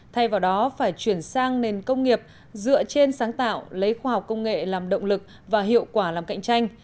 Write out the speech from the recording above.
thay vào đó phải chuyển sang nền công nghiệp dựa trên sáng tạo lấy khoa học công nghệ làm động lực và hiệu quả làm cạnh tranh